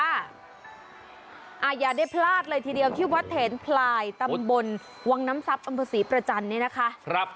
อ่ะอย่าได้พลาดเลยทีเดียวที่วัดเถนผลายตำบลวังน้ำซับอัมพสีประจันเนี่ยนะคะ